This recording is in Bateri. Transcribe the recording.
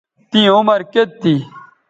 تیں عمر کیئت تھی